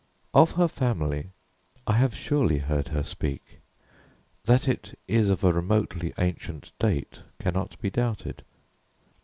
Of her family I have surely heard her speak. That it is of a remotely ancient date cannot be doubted.